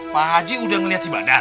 pak haji udah ngeliat sibadar